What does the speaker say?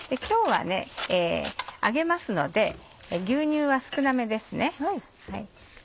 今日は揚げますので牛乳は少なめですね。